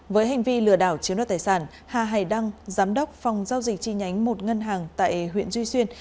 với hành vi lừa đảo chiếm đoạt tài sản hà hải đăng giám đốc phòng giao dịch chi nhánh một ngân hàng tại huyện duy xuyên